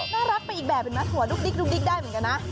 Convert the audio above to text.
น่ารักไปอีกแบบเห็นไหมหัวดุ๊กดิ๊กได้เหมือนกันนะ